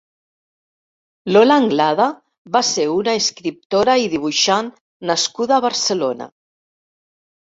Lola Anglada va ser una escriptora i dibuixant nascuda a Barcelona.